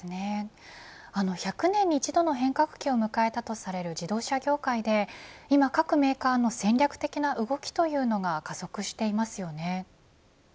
１００年に一度の変革期を迎えたとされる自動車業界で今、各メーカーの戦略的な動きというのが加速していますよね。